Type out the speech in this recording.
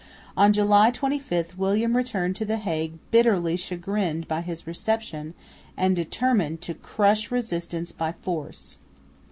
On June 25 William returned to the Hague bitterly chagrined by his reception and determined to crush resistance by force.